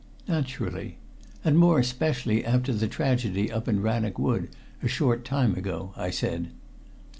"Naturally. And more especially after the tragedy up in Rannoch Wood a short time ago," I said.